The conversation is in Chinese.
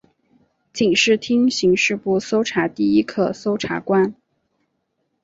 警视厅刑事部搜查第一课搜查官。